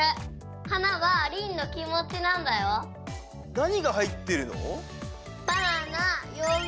なにがはいってるの？